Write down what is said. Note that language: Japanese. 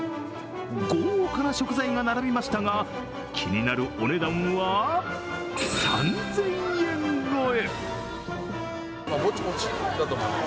豪華な食材が並びましたが気になるお値段は、３０００円超え。